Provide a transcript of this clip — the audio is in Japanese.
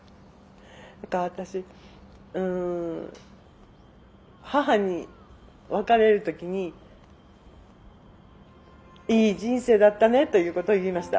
だから私うん母に別れる時にいい人生だったねということを言いました。